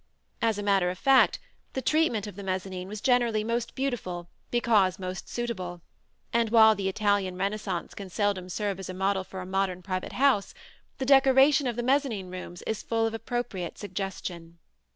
As a matter of fact, the treatment of the mezzanin was generally most beautiful, because most suitable; and while the Italian Renaissance palace can seldom serve as a model for a modern private house, the decoration of the mezzanin rooms is full of appropriate suggestion.